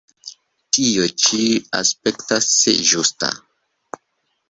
Tio ĉi aspektas ĝusta.